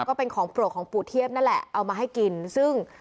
ก็เป็นของโปรดของปู่เทียบนั่นแหละเอามาให้กินซึ่ง